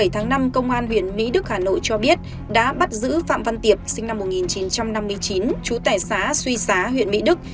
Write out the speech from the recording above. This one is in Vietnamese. bảy tháng năm công an huyện mỹ đức hà nội cho biết đã bắt giữ phạm văn tiệp sinh năm một nghìn chín trăm năm mươi chín chú tẻ xá suy xá huyện mỹ đức